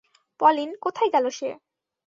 Pauline, কোথায় গেল সে?